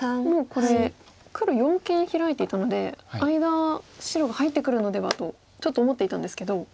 もうこれ黒四間ヒラいていたので間白が入ってくるのではとちょっと思っていたんですけど